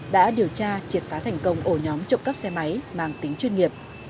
đã điều tra triệt phá thành công ổ nhóm trộm cắp xe máy mang tính chuyên nghiệp